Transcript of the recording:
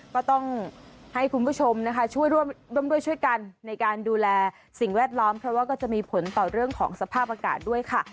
ก็ต้องให้คุณผู้ชมนะคะช่วยร่วมด้วยช่วยกันในการดูแลสิ่งแวดล้อมเพราะว่าก็จะมีผลต่อเรื่องของสภาพอากาศด้วยค่ะ